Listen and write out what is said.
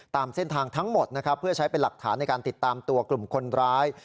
ตามเส้นทางทั้งหมดนะครับเพื่อใช้เป็นหลักฐานในการติดตามตัวกลุ่มคนร้าย